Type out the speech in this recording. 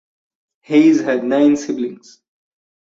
Hayes had nine siblings.